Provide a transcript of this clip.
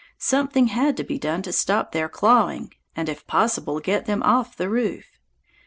Something had to be done to stop their clawing and if possible get them off the roof.